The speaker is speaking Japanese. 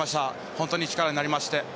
本当に力になりました。